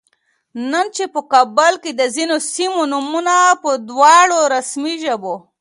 نن چې په کابل کې د ځینو سیمو نومونه په دواړو رسمي ژبو